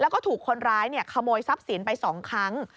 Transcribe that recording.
แล้วก็ถูกคนร้ายขโมยทรัพย์สินไป๒ครั้ง